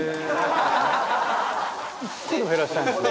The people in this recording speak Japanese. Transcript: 「１個でも減らしたいんですね」